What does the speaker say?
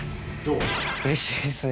うれしいですね